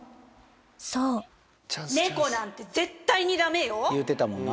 そうネコなんて絶対にダメよ！